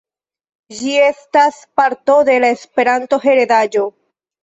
Ĝi estas parto de la Esperanto-heredaĵo.